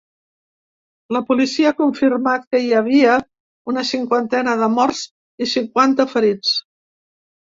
La policia ha confirmat que hi havia una cinquantena de morts i cinquanta ferits.